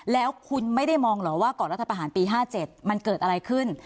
แล้วคุณไม่ได้มองเหรอว่าก่อนรัฐประหารปี๕๗มันเกิดอะไรขึ้น